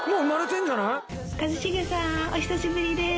一茂さん、お久しぶりです。